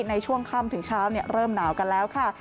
ในช่วงค่ำถึงเช้าเริ่มหนาวกันแล้วค่ะ